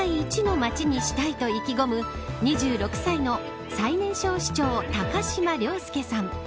まちにしたいと意気込む２６歳の最年少市長高島崚輔さん。